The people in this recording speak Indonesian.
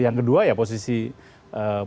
yang kedua ya posisi pak prabowo